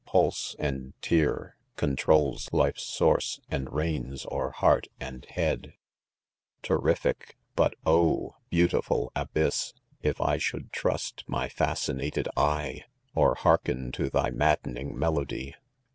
pulse and tear, 'Controls life's source and reigns o'er heart and head* Terrific — bat, oh.!— beautiful abyss I— Ifl should trust my fascinated 'eye 3 THE CONFESSIONS. 195 Or 'hearken to thy maddening melody